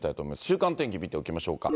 週間天気見ておきましょうか。